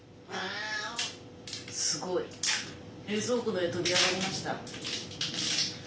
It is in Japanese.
すごい。冷蔵庫の上飛び上がりました。